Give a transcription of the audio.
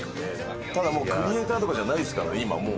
ただクリエイターとかじゃないですから今もう。